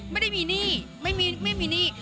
ไม่ได้มีหนี้ไม่มีหนี้